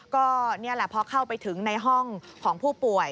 ก็เพราะเข้าไปถึงในห้องของผู้ป่วย